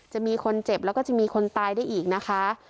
จะมีคนเจ็บแล้วก็จะมีคนตายได้อีกนะคะ